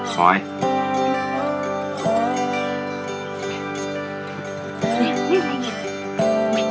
ขอให้